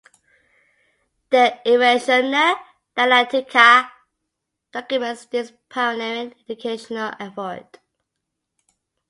"De inventione dialectica" documents this pioneering educational effort.